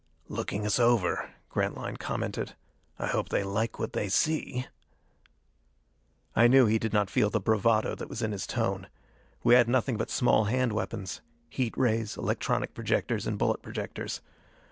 "Looking us over," Grantline commented. "I hope they like what they see." I knew he did not feel the bravado that was in his tone. We had nothing but small hand weapons: heat rays, electronic projectors, and bullet projectors.